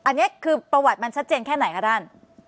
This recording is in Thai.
อันนี้คือประวัติมันชัดเจนแค่ไหนคะท่าน